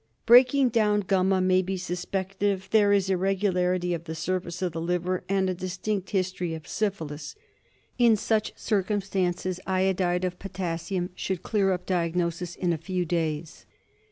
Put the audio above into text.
Breaking down gumma may be suspected if there is irregularity of the surface of the liver, and a distinct history of syphilis. In such circumstances iodide of potassium should clear up diagnosis in a few days.